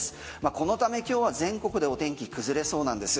このため今日は全国でお天気崩れそうなんです。